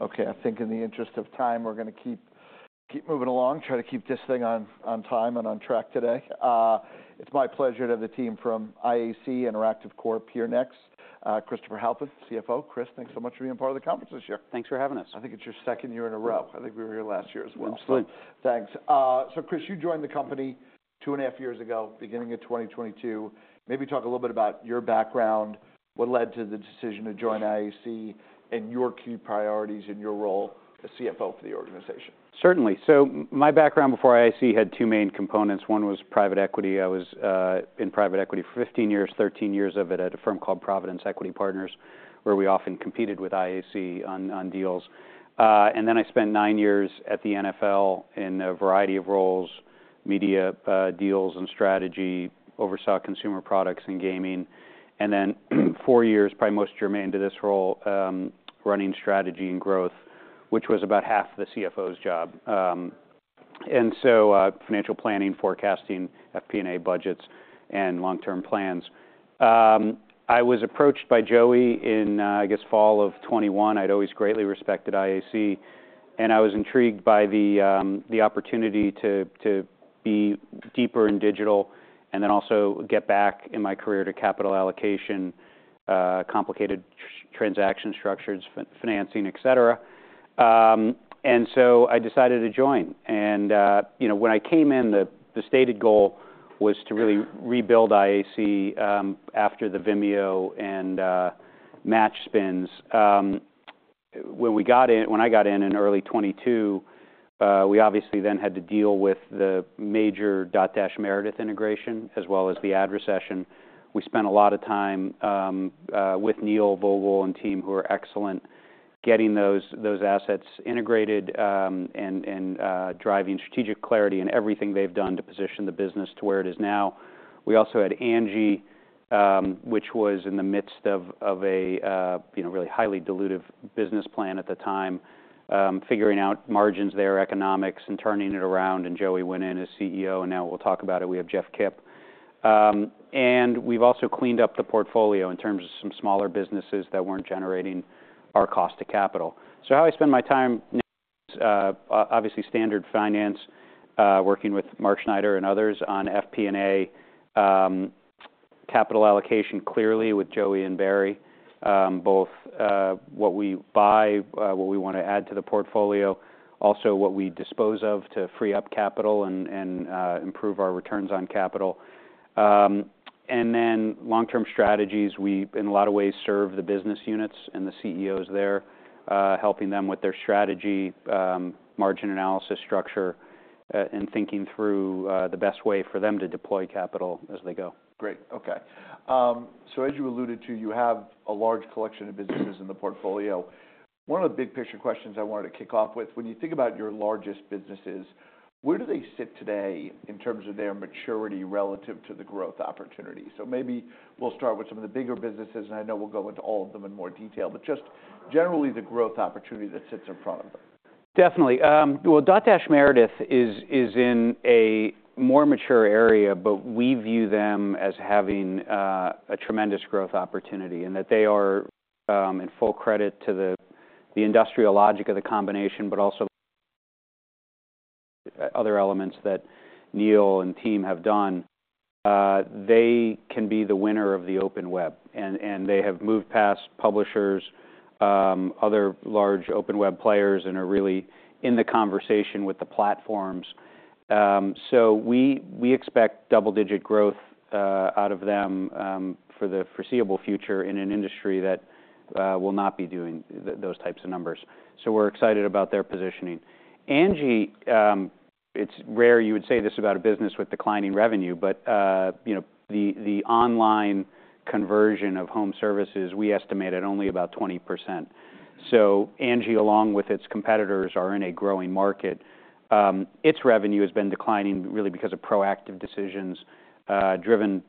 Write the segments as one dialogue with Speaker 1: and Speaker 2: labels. Speaker 1: Okay, I think in the interest of time, we're gonna keep moving along, try to keep this thing on time and on track today. It's my pleasure to have the team from IAC, InterActiveCorp, here next. Christopher Halpin, CFO. Chris, thanks so much for being part of the conference this year.
Speaker 2: Thanks for having us.
Speaker 1: I think it's your second year in a row. I think we were here last year as well.
Speaker 2: Absolutely.
Speaker 1: Thanks. So, Chris, you joined the company two and a half years ago, beginning of twenty twenty-two. Maybe talk a little bit about your background, what led to the decision to join IAC, and your key priorities in your role as CFO of the organization.
Speaker 2: Certainly. So my background before IAC had two main components. One was private equity. I was in private equity for fifteen years, thirteen years of it at a firm called Providence Equity Partners, where we often competed with IAC on deals. And then I spent nine years at the NFL in a variety of roles, media deals and strategy, oversaw consumer products and gaming. And then, four years, probably most germane to this role, running strategy and growth, which was about half the CFO's job. And so, financial planning, forecasting, FP&A budgets, and long-term plans. I was approached by Joey in, I guess, fall of 2021. I'd always greatly respected IAC, and I was intrigued by the opportunity to be deeper in digital and then also get back in my career to capital allocation, complicated transaction structures, financing, et cetera, and so I decided to join. You know, when I came in, the stated goal was to really rebuild IAC after the Vimeo and Match spins. When I got in, in early 2022, we obviously then had to deal with the major Dotdash Meredith integration, as well as the ad recession. We spent a lot of time with Neil Vogel and team, who are excellent, getting those assets integrated and driving strategic clarity in everything they've done to position the business to where it is now. We also had Angi, which was in the midst of, of a, you know, really highly dilutive business plan at the time, figuring out margins, their economics, and turning it around. Joey went in as CEO, and now we'll talk about it. We have Jeff Kipp. And we've also cleaned up the portfolio in terms of some smaller businesses that weren't generating our cost to capital. So how I spend my time, obviously standard finance, working with Mark Schneider and others on FP&A, capital allocation, clearly with Joey and Barry, both, what we buy, what we wanna add to the portfolio, also what we dispose of to free up capital and, and, improve our returns on capital. And then long-term strategies, we, in a lot of ways, serve the business units and the CEOs there, helping them with their strategy, margin analysis structure, and thinking through the best way for them to deploy capital as they go.
Speaker 1: Great, okay. So as you alluded to, you have a large collection of businesses in the portfolio. One of the big picture questions I wanted to kick off with: when you think about your largest businesses, where do they sit today in terms of their maturity relative to the growth opportunity? So maybe we'll start with some of the bigger businesses, and I know we'll go into all of them in more detail, but just generally, the growth opportunity that sits in front of them.
Speaker 2: Definitely, well, Dotdash Meredith is in a more mature area, but we view them as having a tremendous growth opportunity, and that they are in full credit to the industrial logic of the combination, but also other elements that Neil and team have done. They can be the winner of the open web, and they have moved past publishers, other large open web players, and are really in the conversation with the platforms. So we expect double-digit growth out of them for the foreseeable future in an industry that will not be doing those types of numbers. So we're excited about their positioning. Angi, it's rare you would say this about a business with declining revenue, but you know, the online conversion of home services, we estimate at only about 20%. So Angi, along with its competitors, are in a growing market. Its revenue has been declining, really because of proactive decisions driven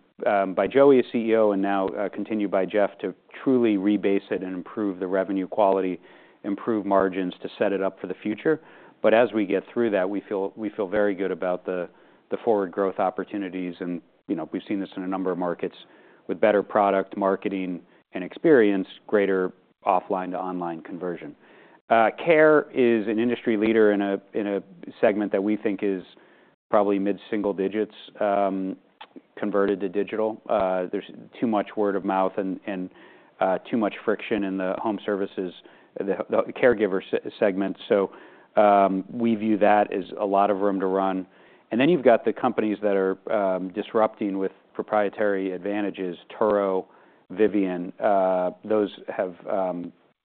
Speaker 2: by Joey, as CEO, and now continued by Jeff to truly rebase it and improve the revenue quality, improve margins to set it up for the future. But as we get through that, we feel very good about the forward growth opportunities, and you know, we've seen this in a number of markets with better product, marketing, and experience, greater offline to online conversion. Care is an industry leader in a segment that we think is probably mid-single digits converted to digital. There's too much word-of-mouth and too much friction in the home services, the caregiver segment, so we view that as a lot of room to run. And then you've got the companies that are disrupting with proprietary advantages, Turo, Vivian, those have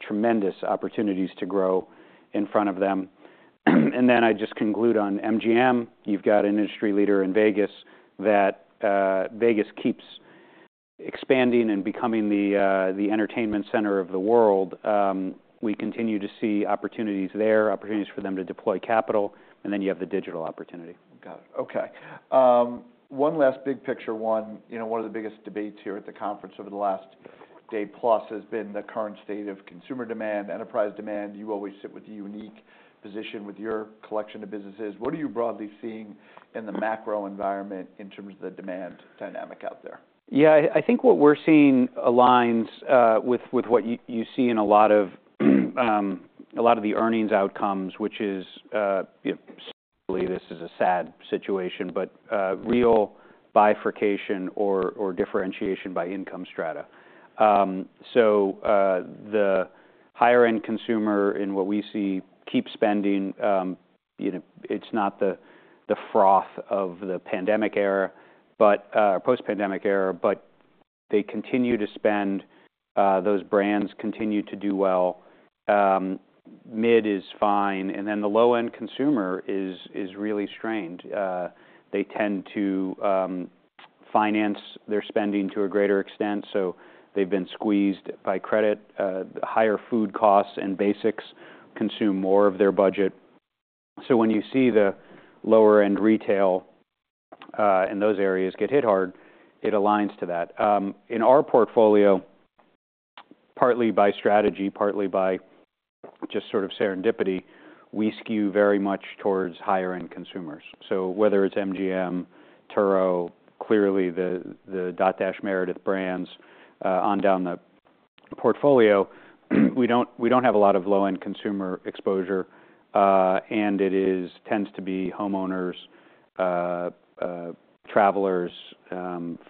Speaker 2: tremendous opportunities to grow in front of them. And then I'd just conclude on MGM. You've got an industry leader in Vegas that Vegas keeps expanding and becoming the entertainment center of the world. We continue to see opportunities there, opportunities for them to deploy capital, and then you have the digital opportunity.
Speaker 1: Got it. Okay. One last big picture one, you know, one of the biggest debates here at the conference over the last day plus has been the current state of consumer demand, enterprise demand. You always sit with you and position with your collection of businesses, what are you broadly seeing in the macro environment in terms of the demand dynamic out there?
Speaker 2: Yeah, I think what we're seeing aligns with what you see in a lot of the earnings outcomes, which is, you know, certainly this is a sad situation, but real bifurcation or differentiation by income strata. So, the higher end consumer in what we see keep spending, you know, it's not the froth of the pandemic era, but post-pandemic era, but they continue to spend, those brands continue to do well. Mid is fine, and then the low-end consumer is really strained. They tend to finance their spending to a greater extent, so they've been squeezed by credit. Higher food costs and basics consume more of their budget. So when you see the lower-end retail in those areas get hit hard, it aligns to that. In our portfolio, partly by strategy, partly by just sort of serendipity, we skew very much towards higher end consumers, so whether it's MGM, Turo, clearly the Dotdash Meredith brands, on down the portfolio, we don't have a lot of low-end consumer exposure, and it tends to be homeowners, travelers,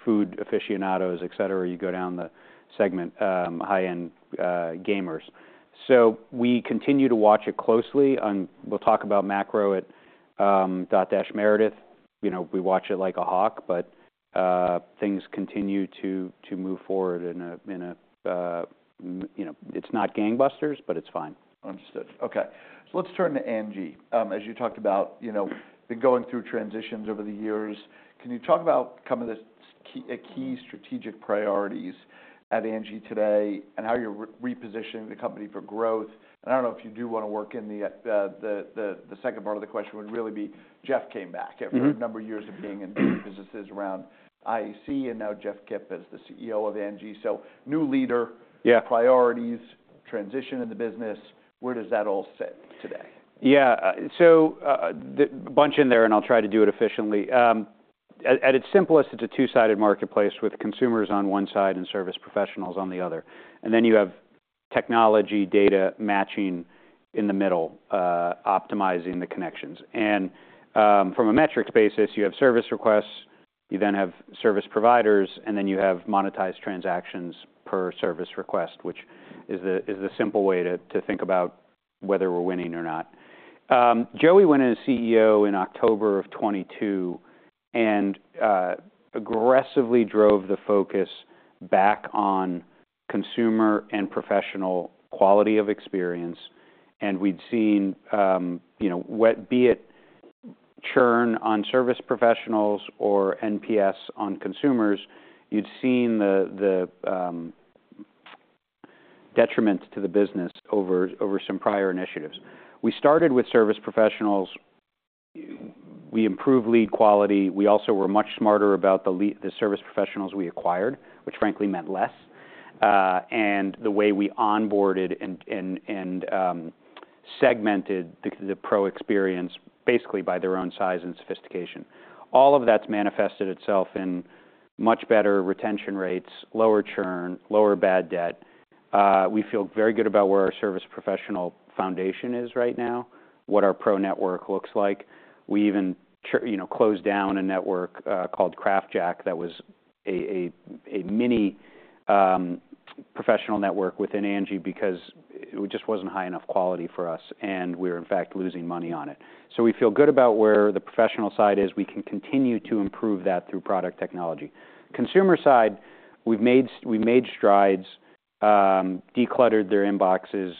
Speaker 2: food aficionados, et cetera. You go down the segment, high-end gamers, so we continue to watch it closely, and we'll talk about macro at Dotdash Meredith. You know, we watch it like a hawk, but things continue to move forward in a... you know. It's not gangbusters, but it's fine.
Speaker 1: Understood. Okay, so let's turn to Angi. As you talked about, you know, been going through transitions over the years, can you talk about kind of the key strategic priorities at Angi today and how you're repositioning the company for growth? And I don't know if you do want to work in the second part of the question would really be, Jeff came back-
Speaker 2: Mm-hmm...
Speaker 1: after a number of years of being in different businesses around IAC, and now Jeff Kipp is the CEO of Angi. So new leader-
Speaker 2: Yeah.
Speaker 1: Priorities, transition in the business, where does that all sit today?
Speaker 2: Yeah. So, the bunch in there, and I'll try to do it efficiently. At its simplest, it's a two-sided marketplace with consumers on one side and service professionals on the other, and then you have technology data matching in the middle, optimizing the connections. And from a metrics basis, you have service requests, you then have service providers, and then you have monetized transactions per service request, which is the simple way to think about whether we're winning or not. Joey went in as CEO in October of 2022 and aggressively drove the focus back on consumer and professional quality of experience, and we'd seen, you know, be it churn on service professionals or NPS on consumers, you'd seen the detriment to the business over some prior initiatives. We started with service professionals. We improved lead quality. We also were much smarter about the service professionals we acquired, which frankly meant less, and the way we onboarded and segmented the pro experience basically by their own size and sophistication. All of that's manifested itself in much better retention rates, lower churn, lower bad debt. We feel very good about where our service professional foundation is right now, what our pro network looks like. We even you know, closed down a network called CraftJack. That was a mini professional network within Angi because it just wasn't high enough quality for us, and we were, in fact, losing money on it. So we feel good about where the professional side is. We can continue to improve that through product technology. Consumer side, we've made strides, decluttered their inboxes,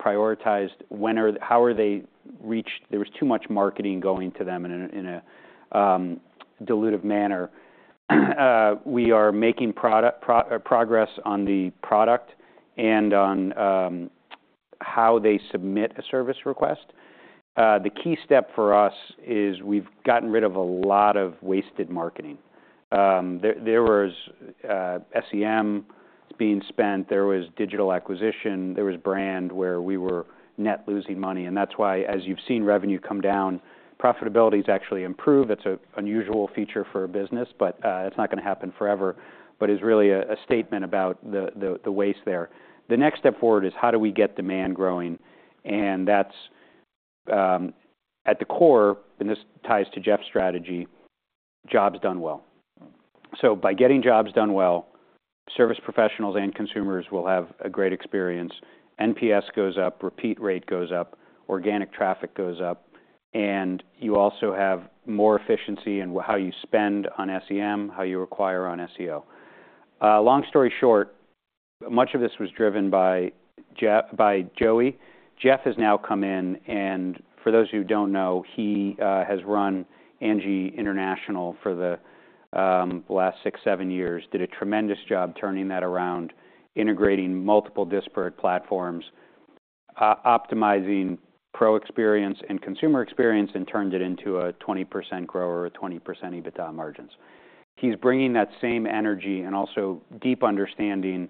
Speaker 2: prioritized when or how are they reached. There was too much marketing going to them in a dilutive manner. We are making progress on the product and on how they submit a service request. The key step for us is we've gotten rid of a lot of wasted marketing. There was SEM being spent. There was digital acquisition. There was brand, where we were net losing money, and that's why, as you've seen, revenue come down. Profitability's actually improved. It's an unusual feature for a business, but it's not going to happen forever, but it's really a statement about the waste there. The next step forward is: How do we get demand growing? And that's at the core, and this ties to Jeff's strategy, jobs done well, so by getting jobs done well, service professionals and consumers will have a great experience. NPS goes up, repeat rate goes up, organic traffic goes up, and you also have more efficiency in how you spend on SEM, how you acquire on SEO. Long story short, much of this was driven by Joey. Jeff has now come in, and for those who don't know, he has run Angi International for the last six, seven years. Did a tremendous job turning that around, integrating multiple disparate platforms, optimizing pro experience and consumer experience, and turned it into a 20% grower or 20% EBITDA margins. He's bringing that same energy and also deep understanding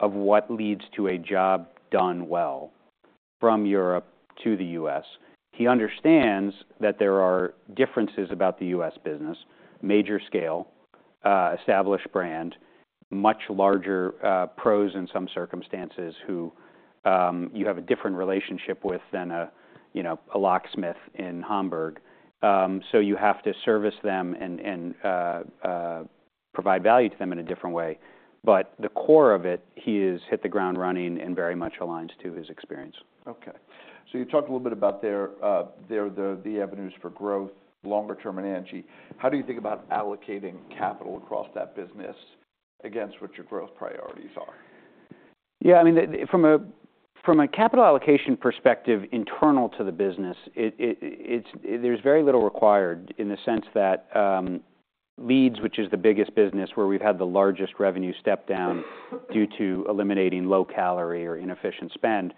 Speaker 2: of what leads to a job done well from Europe to the US. He understands that there are differences about the US business, major scale, established brand, much larger, pros in some circumstances, who you have a different relationship with than a, you know, a locksmith in Hamburg. So you have to service them and provide value to them in a different way. But the core of it, he has hit the ground running and very much aligns to his experience.
Speaker 1: Okay. So you talked a little bit about their avenues for growth, longer-term energy. How do you think about allocating capital across that business against what your growth priorities are?
Speaker 2: Yeah, I mean, from a capital allocation perspective, internal to the business, it's. There's very little required in the sense that leads, which is the biggest business, where we've had the largest revenue step down due to eliminating low-caliber or inefficient spend.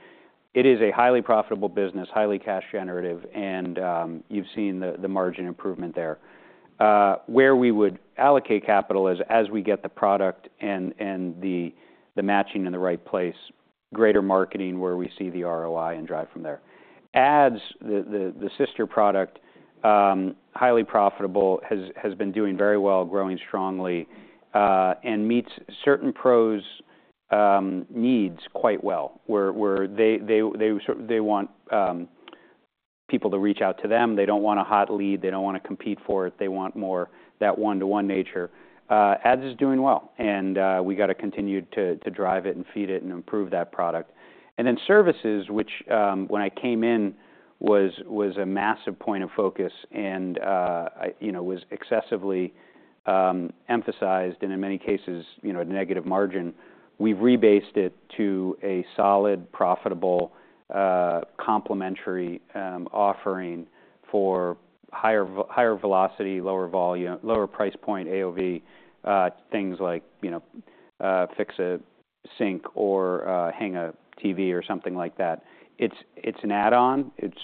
Speaker 2: It is a highly profitable business, highly cash generative, and you've seen the margin improvement there. Where we would allocate capital is as we get the product and the matching in the right place, greater marketing, where we see the ROI and drive from there. Ads, the sister product, highly profitable, has been doing very well, growing strongly, and meets certain pros' needs quite well, where they want people to reach out to them. They don't want a hot lead. They don't wanna compete for it. They want more that one-to-one nature. Ads is doing well, and we got to continue to drive it and feed it and improve that product. And then services, which, when I came in, was a massive point of focus and, I, you know, was excessively emphasized and in many cases, you know, a negative margin. We've rebased it to a solid, profitable, complementary offering for higher velocity, lower volume, lower price point, AOV, things like, you know, fix a sink or, hang a TV or something like that. It's an add-on, it's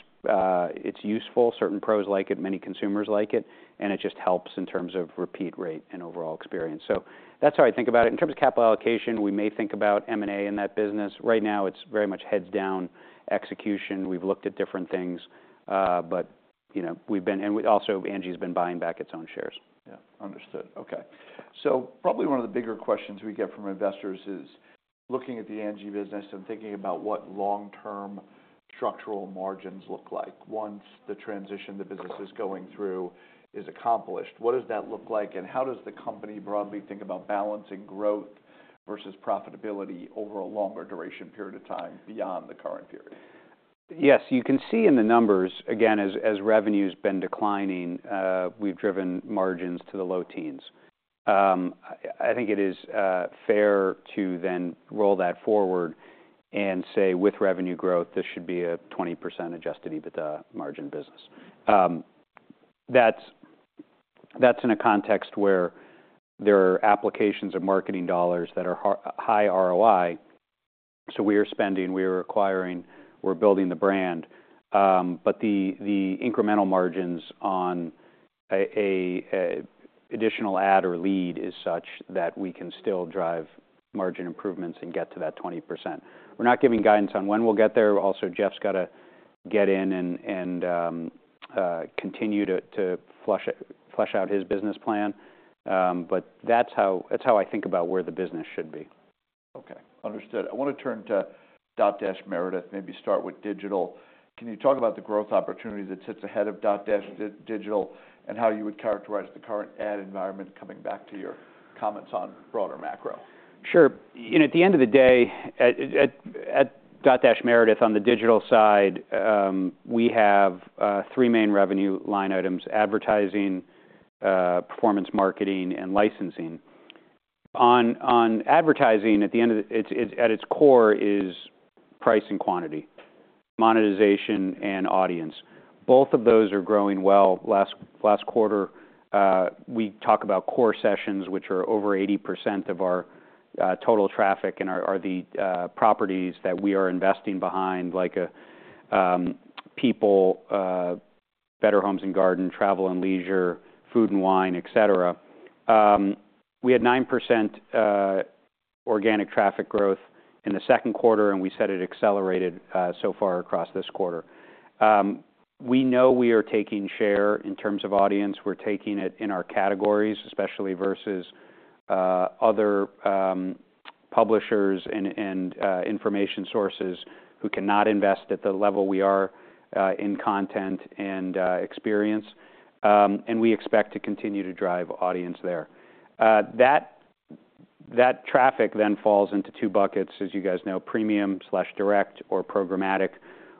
Speaker 2: useful. Certain pros like it, many consumers like it, and it just helps in terms of repeat rate and overall experience. So that's how I think about it. In terms of capital allocation, we may think about M&A in that business. Right now, it's very much heads down execution. We've looked at different things, but, you know, and also, Angi's been buying back its own shares.
Speaker 1: Yeah, understood. Okay. So probably one of the bigger questions we get from investors is looking at the Angi business and thinking about what long-term structural margins look like once the transition the business is going through is accomplished. What does that look like, and how does the company broadly think about balancing growth versus profitability over a longer duration period of time beyond the current period?
Speaker 2: Yes, you can see in the numbers, again, as revenue's been declining, we've driven margins to the low teens. I think it is fair to then roll that forward and say, with revenue growth, this should be a 20% Adjusted EBITDA margin business. That's in a context where there are applications of marketing dollars that are high ROI, so we are spending, we are acquiring, we're building the brand. But the incremental margins on a additional ad or lead is such that we can still drive margin improvements and get to that 20%. We're not giving guidance on when we'll get there. Also, Jeff's got to get in and continue to flush out his business plan. But that's how I think about where the business should be.
Speaker 1: Okay, understood. I want to turn to Dotdash Meredith, maybe start with digital. Can you talk about the growth opportunity that sits ahead of Dotdash digital, and how you would characterize the current ad environment coming back to your comments on broader macro?
Speaker 2: Sure. You know, at the end of the day, at Dotdash Meredith, on the digital side, we have three main revenue line items: advertising, performance marketing, and licensing. On advertising, at the end of the... It's at its core price and quantity, monetization, and audience. Both of those are growing well. Last quarter, we talk about core sessions, which are over 80% of our total traffic and are the properties that we are investing behind, like People, Better Homes & Gardens, Travel + Leisure, Food & Wine, et cetera. We had 9% organic traffic growth in the second quarter, and we said it accelerated so far across this quarter. We know we are taking share in terms of audience. We're taking it in our categories, especially versus other publishers and information sources who cannot invest at the level we are in content and experience, and we expect to continue to drive audience there. That traffic then falls into two buckets, as you guys know, premium/direct or programmatic.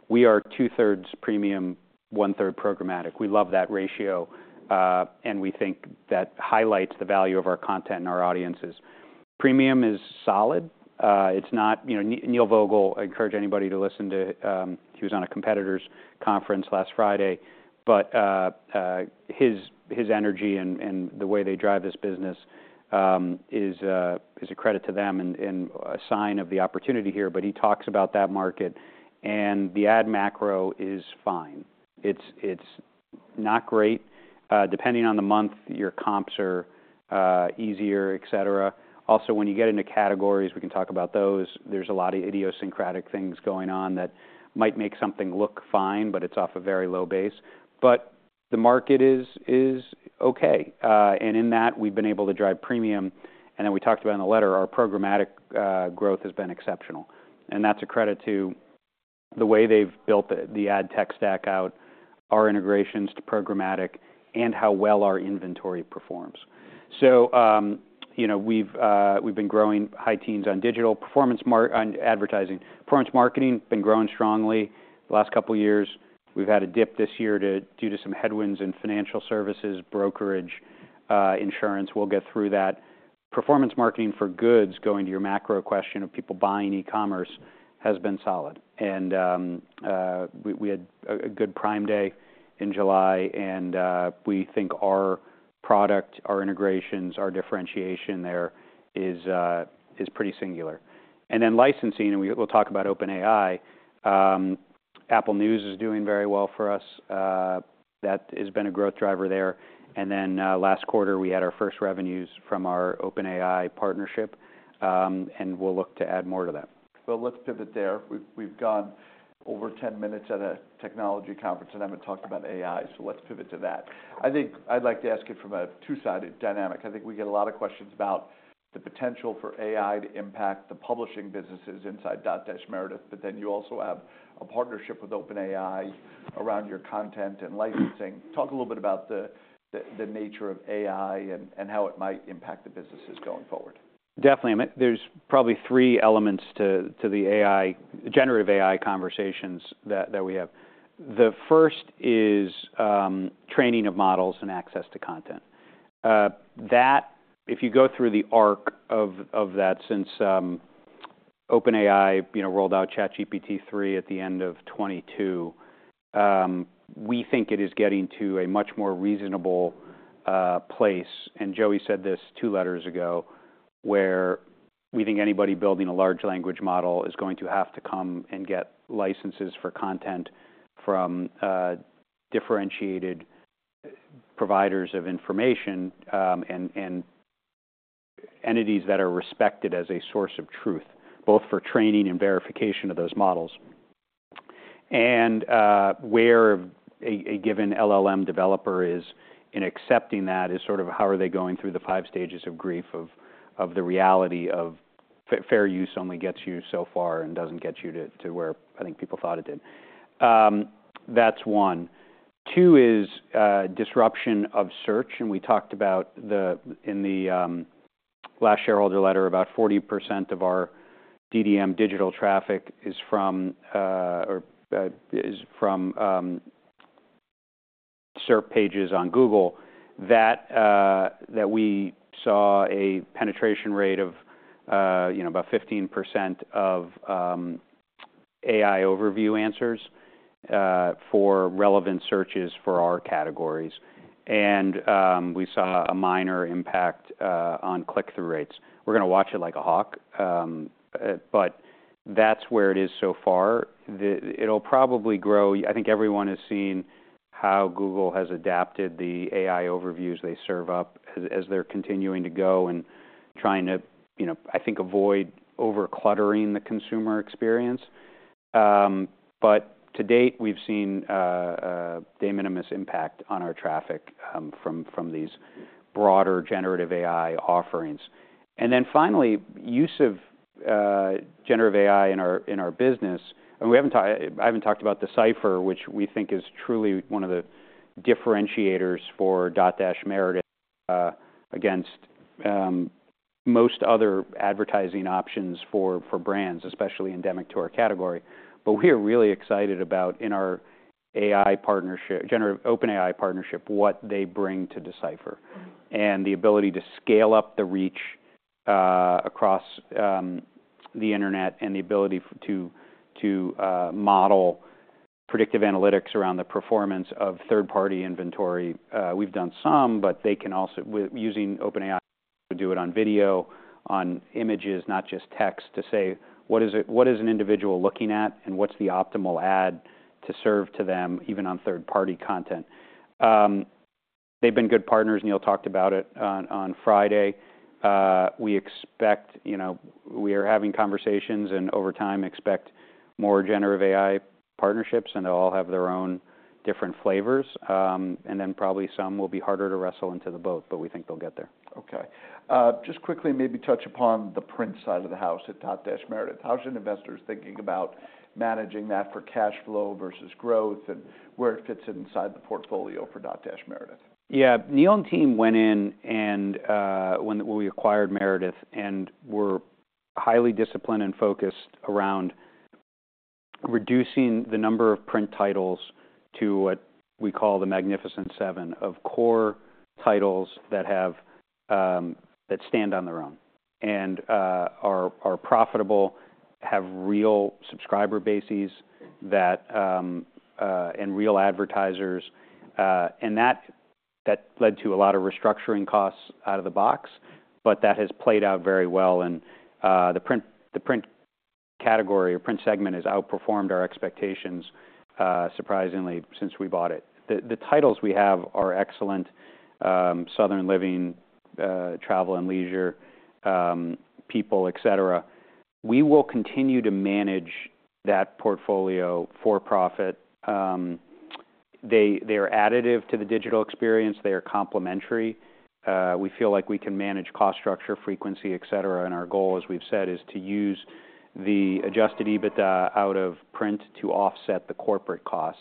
Speaker 2: We are two-thirds premium, one-third programmatic. We love that ratio, and we think that highlights the value of our content and our audiences. Premium is solid. It's not, you know, Neil Vogel. I encourage anybody to listen to. He was on a competitor's conference last Friday, but his energy and the way they drive this business is a credit to them and a sign of the opportunity here, but he talks about that market, and the ad macro is fine. It's, it's not great. Depending on the month, your comps are easier, et cetera. Also, when you get into categories, we can talk about those, there's a lot of idiosyncratic things going on that might make something look fine, but it's off a very low base. The market is okay. And in that, we've been able to drive premium. And then we talked about in the letter, our programmatic growth has been exceptional, and that's a credit to the way they've built the ad tech stack out, our integrations to programmatic, and how well our inventory performs. You know, we've been growing high teens on digital performance mar-- on advertising. Performance marketing been growing strongly the last couple of years. We've had a dip this year due to some headwinds in financial services, brokerage, insurance. We'll get through that. Performance marketing for goods, going to your macro question of people buying e-commerce, has been solid, and we had a good Prime Day in July, and we think our product, our integrations, our differentiation there is pretty singular, and then licensing, and we'll talk about OpenAI. Apple News is doing very well for us. That has been a growth driver there, and then last quarter, we had our first revenues from our OpenAI partnership, and we'll look to add more to that.
Speaker 1: Let's pivot there. We've gone over ten minutes at a technology conference, and haven't talked about AI, so let's pivot to that. I think I'd like to ask you from a two-sided dynamic. I think we get a lot of questions about the potential for AI to impact the publishing businesses inside Dotdash Meredith, but then you also have a partnership with OpenAI around your content and licensing. Talk a little bit about the nature of AI and how it might impact the businesses going forward.
Speaker 2: Definitely. I mean, there's probably three elements to the AI, Generative AI conversations that we have. The first is, training of models and access to content. That, if you go through the arc of that, since OpenAI, you know, rolled out ChatGPT-3 at the end of 2022, we think it is getting to a much more reasonable place, and Joey said this two quarters ago, where we think anybody building a large language model is going to have to come and get licenses for content from differentiated providers of information, and entities that are respected as a source of truth, both for training and verification of those models. And where a given LLM developer is in accepting that is sort of how are they going through the five stages of grief of the reality of fair use only gets you so far and doesn't get you to where I think people thought it did. That's one. Two is disruption of search, and we talked about the in the last shareholder letter, about 40% of our DDM digital traffic is from or is from SERP pages on Google, that we saw a penetration rate of you know about 15% of AI overview answers for relevant searches for our categories. And we saw a minor impact on click-through rates. We're gonna watch it like a hawk, but that's where it is so far. It'll probably grow. I think everyone has seen how Google has adapted the AI Overviews they serve up as they're continuing to go and trying to, you know, I think, avoid over-cluttering the consumer experience. But to date, we've seen de minimis impact on our traffic from these broader generative AI offerings. And then finally, use of generative AI in our business, and I haven't talked about D/Cipher, which we think is truly one of the differentiators for Dotdash Meredith against most other advertising options for brands, especially endemic to our category. But we are really excited about in our AI partnership, generative OpenAI partnership, what they bring to D/Cipher, and the ability to scale up the reach across the internet, and the ability to model predictive analytics around the performance of third-party inventory. We've done some, but they can also, using OpenAI, do it on video, on images, not just text, to say, "What is it? What is an individual looking at, and what's the optimal ad to serve to them, even on third-party content?" They've been good partners, Neil talked about it on Friday. We expect, you know, we are having conversations, and over time, expect more generative AI partnerships, and they'll all have their own different flavors. And then probably some will be harder to wrestle into the boat, but we think they'll get there.
Speaker 1: Okay. Just quickly, maybe touch upon the print side of the house at Dotdash Meredith. How should investors thinking about managing that for cash flow versus growth, and where it fits inside the portfolio for Dotdash Meredith?
Speaker 2: Yeah. Neil and team went in, and, when we acquired Meredith, and were highly disciplined and focused around reducing the number of print titles to what we call the Magnificent Seven of core titles that have... that stand on their own and, are profitable... have real subscriber bases that, and real advertisers. And that led to a lot of restructuring costs out of the box, but that has played out very well. And, the print category or print segment has outperformed our expectations, surprisingly, since we bought it. The titles we have are excellent, Southern Living, Travel + Leisure, People, et cetera. We will continue to manage that portfolio for profit. They are additive to the digital experience. They are complementary. We feel like we can manage cost structure, frequency, et cetera. And our goal, as we've said, is to use the adjusted EBITDA out of print to offset the corporate costs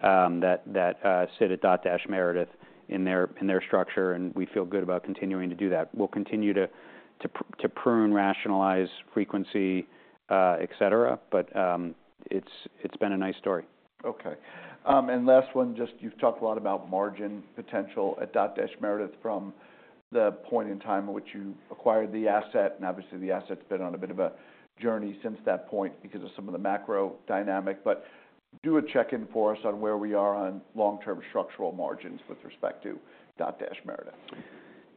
Speaker 2: that sit at Dotdash Meredith in their structure, and we feel good about continuing to do that. We'll continue to prune, rationalize frequency, et cetera, but it's been a nice story.
Speaker 1: Okay. And last one, just you've talked a lot about margin potential at Dotdash Meredith from the point in time in which you acquired the asset, and obviously the asset's been on a bit of a journey since that point because of some of the macro dynamic. But do a check-in for us on where we are on long-term structural margins with respect to Dotdash Meredith.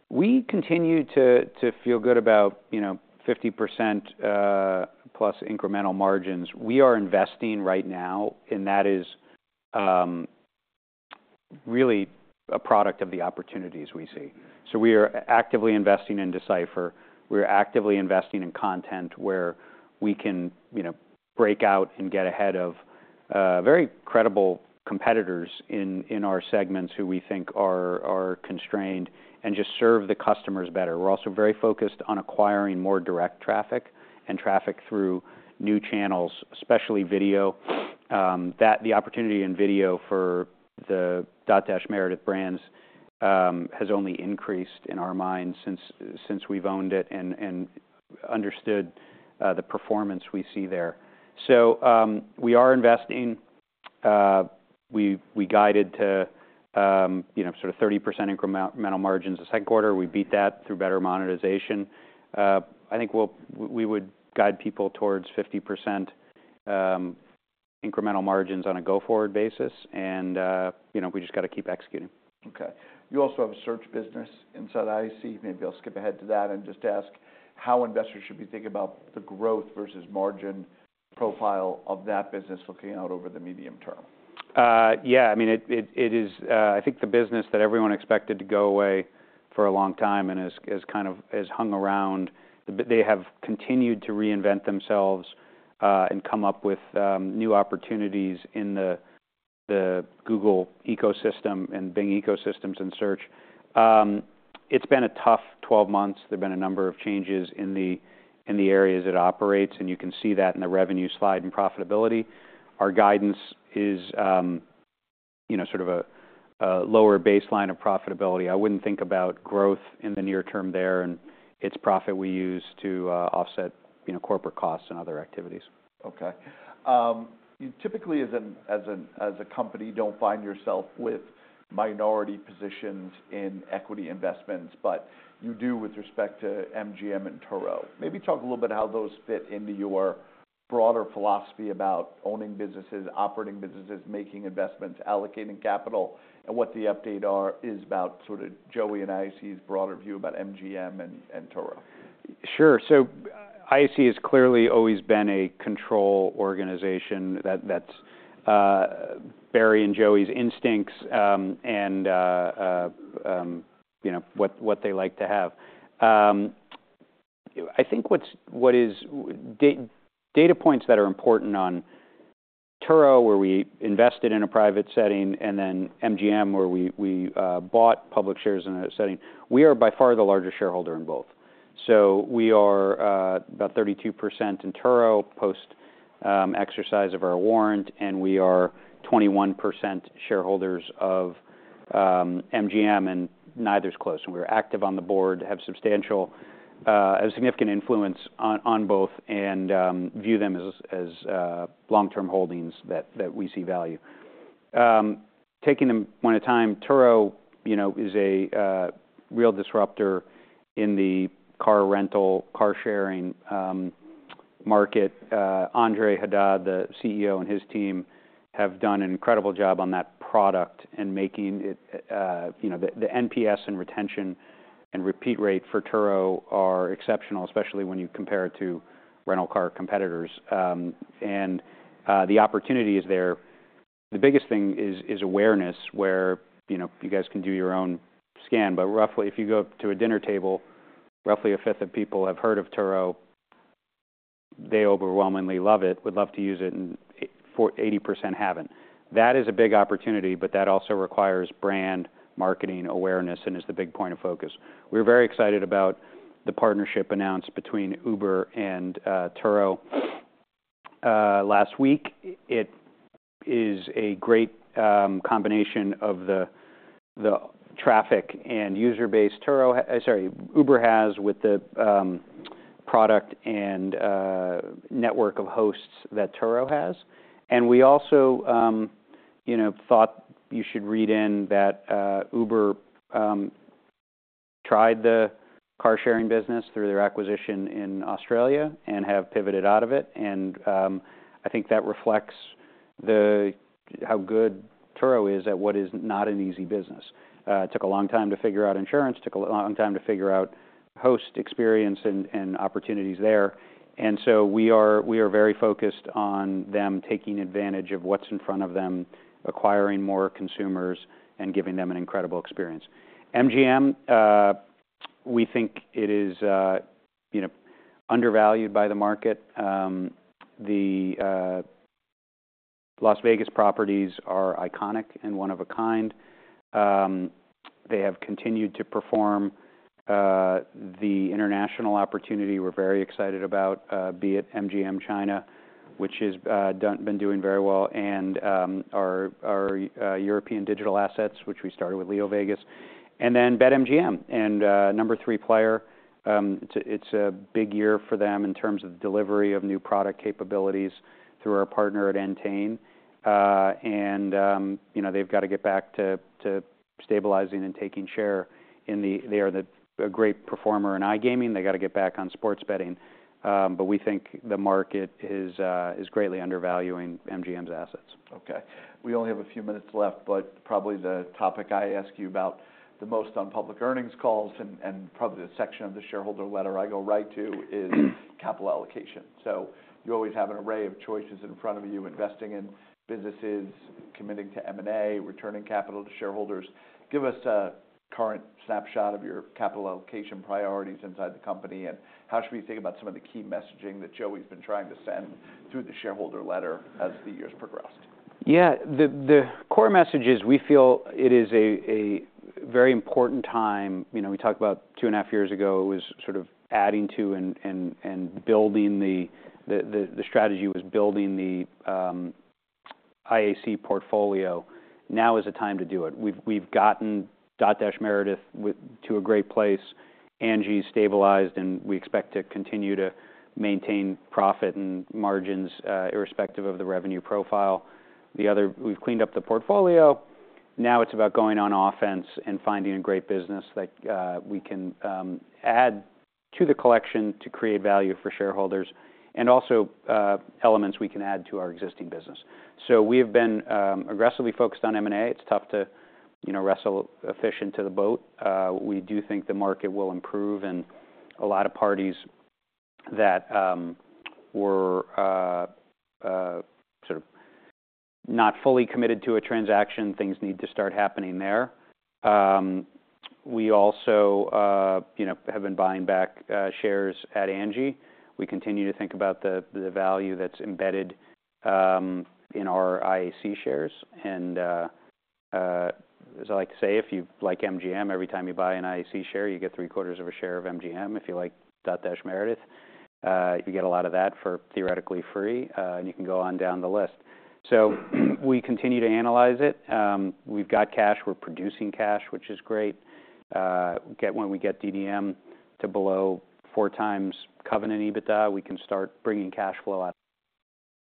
Speaker 2: We continue to feel good about, you know, 50% plus incremental margins. We are investing right now, and that is really a product of the opportunities we see. So we are actively investing in D/Cipher. We're actively investing in content where we can, you know, break out and get ahead of very credible competitors in our segments who we think are constrained, and just serve the customers better. We're also very focused on acquiring more direct traffic and traffic through new channels, especially video. That the opportunity in video for the Dotdash Meredith brands has only increased in our minds since we've owned it and understood the performance we see there. So we are investing. We guided to, you know, sort of 30% incremental margins this second quarter. We beat that through better monetization. I think we would guide people towards 50% incremental margins on a go-forward basis, and, you know, we just got to keep executing.
Speaker 1: Okay. You also have a search business inside IAC. Maybe I'll skip ahead to that and just ask how investors should be thinking about the growth versus margin profile of that business looking out over the medium term?
Speaker 2: Yeah, I mean, it is, I think the business that everyone expected to go away for a long time and has kind of hung around. They have continued to reinvent themselves and come up with new opportunities in the Google ecosystem and Bing ecosystems and search. It's been a tough twelve months. There've been a number of changes in the areas it operates, and you can see that in the revenue slide and profitability. Our guidance is, you know, sort of a lower baseline of profitability. I wouldn't think about growth in the near term there, and it's profit we use to offset, you know, corporate costs and other activities.
Speaker 1: Okay. You typically, as a company, don't find yourself with minority positions in equity investments, but you do with respect to MGM and Turo. Maybe talk a little bit how those fit into your broader philosophy about owning businesses, operating businesses, making investments, allocating capital, and what the update is about sort of Joey and IAC's broader view about MGM and Turo.
Speaker 2: Sure. So IAC has clearly always been a control organization, that's Barry and Joey's instincts, and, you know, what they like to have. I think what are data points that are important on Turo, where we invested in a private setting, and then MGM, where we bought public shares in a setting, we are by far the largest shareholder in both. So we are about 32% in Turo, post exercise of our warrant, and we are 21% shareholders of MGM, and neither's close. And we're active on the board, have substantial a significant influence on both, and view them as long-term holdings that we see value. Taking them one at a time, Turo, you know, is a real disruptor in the car rental, car sharing market. Andre Haddad, the CEO, and his team have done an incredible job on that product and making it, you know, the NPS and retention and repeat rate for Turo are exceptional, especially when you compare it to rental car competitors. The opportunity is there. The biggest thing is awareness, where, you know, you guys can do your own scan. But roughly, if you go to a dinner table, roughly a fifth of people have heard of Turo. They overwhelmingly love it, would love to use it, and 80% haven't. That is a big opportunity, but that also requires brand, marketing, awareness, and is the big point of focus. We're very excited about the partnership announced between Uber and Turo last week. It is a great combination of the traffic and user base Uber has with the product and network of hosts that Turo has. And we also you know thought you should read in that Uber tried the car-sharing business through their acquisition in Australia and have pivoted out of it. And I think that reflects how good Turo is at what is not an easy business. It took a long time to figure out insurance, took a long time to figure out host experience and opportunities there. And so we are very focused on them taking advantage of what's in front of them, acquiring more consumers, and giving them an incredible experience. MGM, we think it is, you know, undervalued by the market. The Las Vegas properties are iconic and one of a kind. They have continued to perform, the international opportunity we're very excited about, be it MGM China, which has been doing very well, and our European digital assets, which we started with LeoVegas. And then BetMGM, and number three player, it's a big year for them in terms of delivery of new product capabilities through our partner at Entain. And, you know, they've got to get back to stabilizing and taking share in the... They are a great performer in iGaming. They gotta get back on sports betting. But we think the market is greatly undervaluing MGM's assets.
Speaker 1: Okay. We only have a few minutes left, but probably the topic I ask you about the most on public earnings calls, and probably the section of the shareholder letter I go right to, is capital allocation. You always have an array of choices in front of you, investing in businesses, committing to M&A, returning capital to shareholders. Give us a current snapshot of your capital allocation priorities inside the company, and how should we think about some of the key messaging that Joey's been trying to send through the shareholder letter as the years progressed?
Speaker 2: Yeah, the core message is we feel it is a very important time. You know, we talked about two and a half years ago, it was sort of adding to and building the strategy was building the IAC portfolio. Now is the time to do it. We've gotten Dotdash Meredith to a great place. Angi's stabilized, and we expect to continue to maintain profit and margins irrespective of the revenue profile. The other... We've cleaned up the portfolio. Now it's about going on offense and finding a great business that we can add to the collection to create value for shareholders, and also elements we can add to our existing business. So we have been aggressively focused on M&A. It's tough to, you know, wrestle a fish into the boat. We do think the market will improve, and a lot of parties that were sort of not fully committed to a transaction. Things need to start happening there. We also, you know, have been buying back shares at Angi. We continue to think about the value that's embedded in our IAC shares. As I like to say, if you like MGM, every time you buy an IAC share, you get three-quarters of a share of MGM. If you like Dotdash Meredith, you get a lot of that for theoretically free, and you can go on down the list. We continue to analyze it. We've got cash. We're producing cash, which is great. When we get DDM to below four times covenant EBITDA, we can start bringing cash flow out,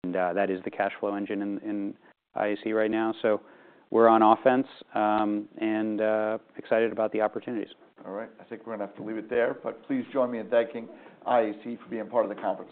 Speaker 2: and that is the cash flow engine in IAC right now. So we're on offense, and excited about the opportunities.
Speaker 1: All right. I think we're gonna have to leave it there, but please join me in thanking IAC for being part of the conference.